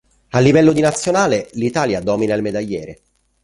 A livello di nazionale l`Italia domina il medagliere.